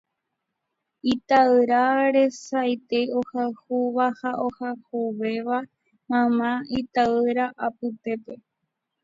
Ita'yra rasaite ohayhúva ha ohayhuvéva mayma ita'ýra apytépe.